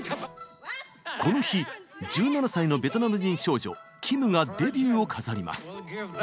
この日１７歳のベトナム人少女キムがデビューを飾ります。